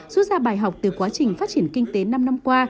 rút ra bài học từ quá trình phát triển kinh tế năm năm qua